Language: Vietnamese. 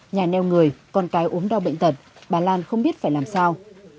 nhà neo người con cái ốm đau bệnh tật bà lan không biết phải làm sao